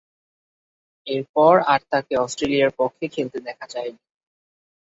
এরপর আর তাকে অস্ট্রেলিয়ার পক্ষে খেলতে দেখা যায়নি।